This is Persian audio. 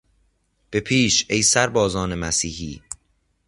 به پیش، ای سربازان مسیحی...!